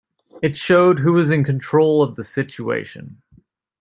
It showed who was in control of the situation.